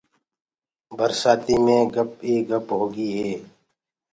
برسآتيٚ مي گپ ئيٚ گپ هوگي هي۔